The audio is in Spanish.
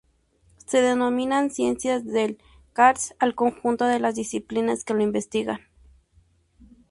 Se denominan ciencias del karst al conjunto de las disciplinas que lo investigan.